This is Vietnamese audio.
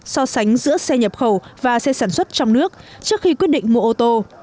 so sánh giữa xe nhập khẩu và xe sản xuất trong nước trước khi quyết định mua ô tô